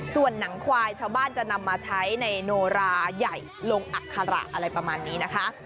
ส่วนหนังควายชาวบ้านจะนำมาใช้ในโนราใหญ่ลงอัคระอะไรประมาณนี้นะคะ